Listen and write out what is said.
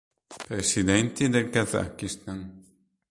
Presidenti del Kazakistan